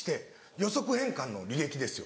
予測変換の履歴ですよ